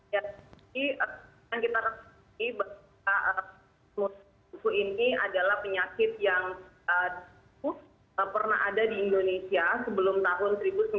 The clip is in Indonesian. jadi yang kita terima kasih bahwa buku ini adalah penyakit yang pernah ada di indonesia sebelum tahun seribu sembilan ratus sembilan puluh